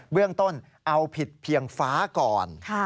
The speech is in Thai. เบื้องต้นเอาผิดเพียงฟ้าก่อน